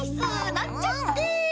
なんちゃって。